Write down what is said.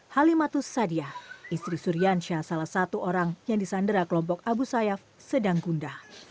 halimatus sadiah istri suriansyah salah satu orang yang disandera kelompok abu sayyaf sedang gundah